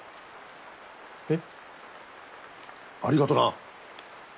えっ？ありがとな。